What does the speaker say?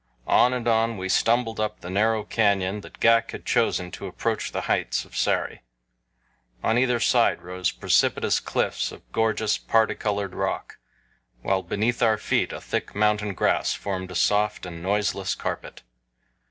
On and on we stumbled up the narrow canyon that Ghak had chosen to approach the heights of Sari. On either side rose precipitous cliffs of gorgeous, parti colored rock, while beneath our feet a thick mountain grass formed a soft and noiseless carpet.